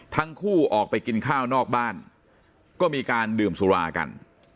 ทั้งคู่ออกไปกินข้าวนอกบ้านก็มีการดื่มสุรากัน